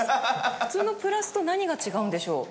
普通のプラスと何が違うんでしょう？